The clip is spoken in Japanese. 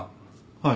はい。